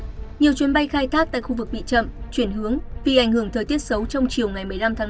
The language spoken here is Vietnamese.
nhiều chuyến bay khai thác tại khu vực bị chậm chuyển hướng vì ảnh hưởng thời tiết xấu trong chiều ngày một mươi năm tháng năm